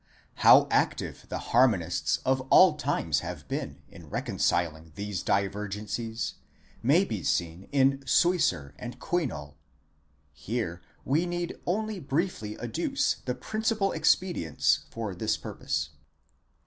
How "ceive the harmonists of all times have been in reconciling these divergencies, may be seen in Suicer! and Kuinél: here we need only briefly adduce the principal expedients for this purpose.